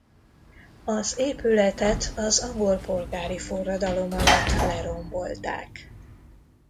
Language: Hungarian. Az épületet az angol polgári forradalom alatt lerombolták.